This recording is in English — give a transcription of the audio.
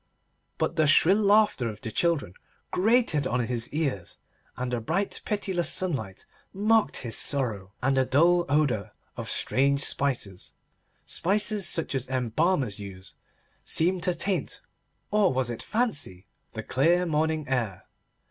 But the shrill laughter of the children grated on his ears, and the bright pitiless sunlight mocked his sorrow, and a dull odour of strange spices, spices such as embalmers use, seemed to taint—or was it fancy?—the clear morning air.